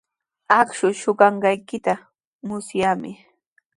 Akshuu suqanqaykita musyaami.